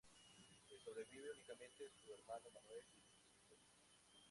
Le sobrevive únicamente su hermano Manuel y sus hijos.